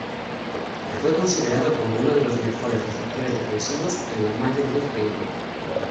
Fue considerado como uno de los mejores receptores defensivos en la Major League Baseball.